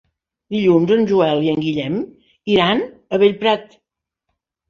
Dilluns en Joel i en Guillem iran a Bellprat.